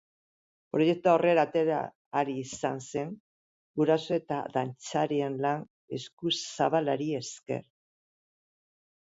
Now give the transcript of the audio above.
Proiektua aurrera atera ahal izan zen guraso eta dantzarien lan eskuzabalari esker.